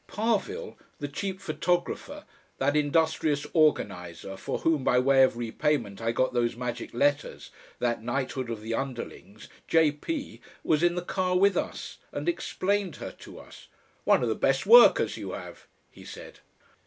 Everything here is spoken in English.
Parvill, the cheap photographer, that industrious organiser for whom by way of repayment I got those magic letters, that knighthood of the underlings, "J. P." was in the car with us and explained her to us. "One of the best workers you have," he said....